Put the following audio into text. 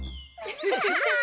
ハハハッ。